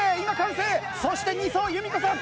そして２走ゆみこさん！